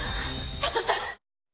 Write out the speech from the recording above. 佐都さん！